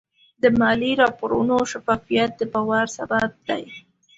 د مالي راپورونو شفافیت د باور سبب دی.